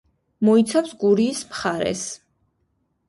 მოიცავს გურიის მხარეს.